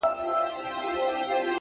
خپل فکرونه د حقیقت له مخې وتلئ.!